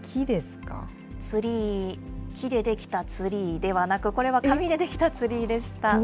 ツリー、木で出来たツリーではなく、これは紙で出来たツリーでした。